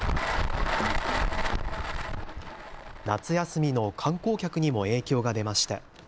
夏休みの観光客にも影響が出ました。